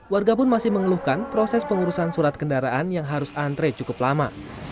warga pun masih mengeluhkan proses pengurusan surat kendaraan yang harus antre cukup lama